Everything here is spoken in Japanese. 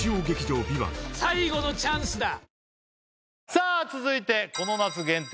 さあ続いてこの夏限定